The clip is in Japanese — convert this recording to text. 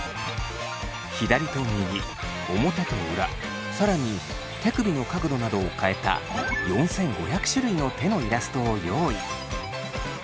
左と右表と裏更に手首の角度などを変えた４，５００種類の手のイラストを用意。